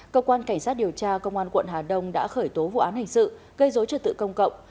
cơ quan cảnh sát điều tra công an quận hà đông đã khởi tố vụ án hình sự gây dối trật tự công cộng